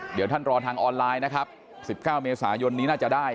เดี๋ยวท่านรอทางออนไลน์นะครับ๑๙เมษายนนี้น่าจะได้